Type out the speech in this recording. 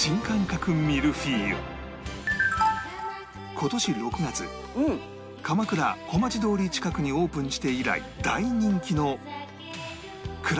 今年６月鎌倉小町通り近くにオープンして以来大人気の